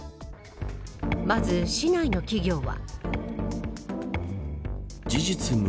まず市内の企業は。